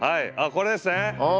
これですね。